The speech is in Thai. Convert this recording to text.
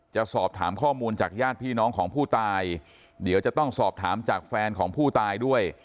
จะสอบถามข้อมูลจากญาติพี่น้องของผู้ตายเดี๋ยวจะต้องสอบถามจากแฟนของผู้ตายด้วย